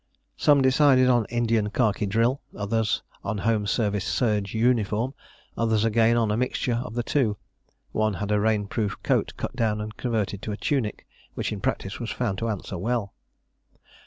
Some decided on Indian khaki drill, others on home service serge uniform; others again on a mixture of the two. One had a rainproof coat cut down and converted to a tunic, which in practice was found to answer well.